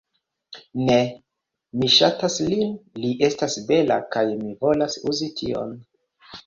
Ne! Mi ŝatas lin, li estas bela kaj mi volas uzi tion.